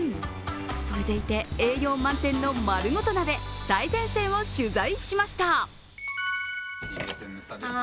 それでいて栄養満点のまるごと鍋最前線を取材しました。